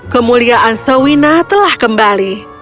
kemuliaan showina telah kembali